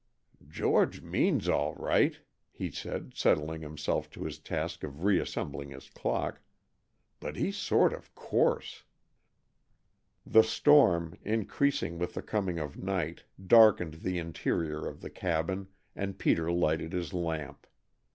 "George means all right," he said, settling himself to his task of reassembling his clock, "but he's sort of coarse." The storm, increasing with the coming of night, darkened the interior of the cabin, and Peter lighted his lamp.